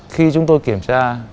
khi chúng tôi kiểm tra